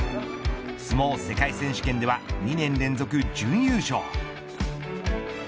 相撲世界選手権では２年連続準優勝。